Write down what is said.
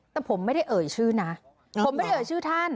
แต่ผมไม่ได้เอ่ยชื่อนะผมไม่ได้เอ่ยชื่อท่าน